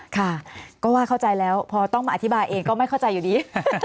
ค่ะก็ว่าเข้าใจแล้วพอต้องมาอธิบายเองก็ไม่เข้าใจอยู่ดี